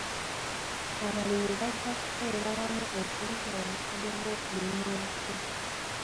Abalimi bajja kukolera wamu okuyiga obukodyo bw'okulima obupya.